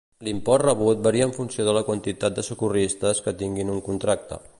L'import rebut varia en funció de la quantitat de socorristes que tinguin un contracte.